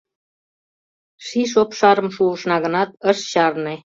Ший шопшарым шуышна гынат, ыш чарне.